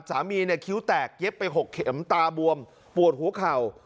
สามีเนี่ยคิ้วแตกเย็บไป๖เข็มตาบวมปวดหัวเข่า